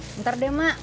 bentar deh mak